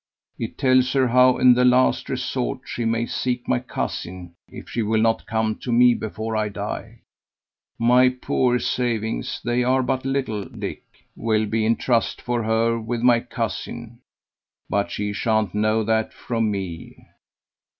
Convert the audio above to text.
It tells her how, in the last resort, she may seek my cousin, if she will not come to me before I die. My poor savings they are but little, Dick will be in trust for her with my cousin, but she sha'n't know that from me.